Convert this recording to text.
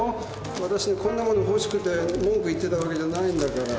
わたしねこんなモノ欲しくて文句言ってたわけじゃないんだから。